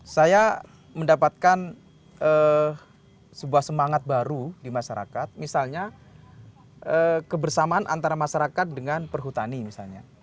saya mendapatkan sebuah semangat baru di masyarakat misalnya kebersamaan antara masyarakat dengan perhutani misalnya